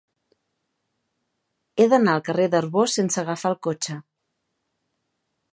He d'anar al carrer d'Arbós sense agafar el cotxe.